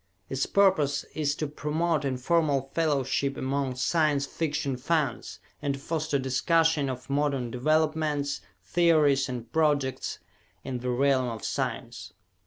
Its purpose is to promote informal fellowship among Science Fiction fans and to foster discussion of modern developments, theories and projects in the realm of science.